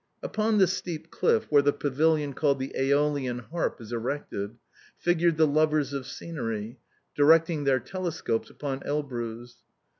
Upon the steep cliff, where the pavilion called "The Aeolian Harp" is erected, figured the lovers of scenery, directing their telescopes upon Elbruz.